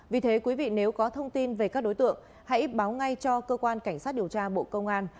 vì thế quý vị nếu có thông tin về các đối tượng hãy báo ngay cho cơ quan cảnh sát điều tra bộ công an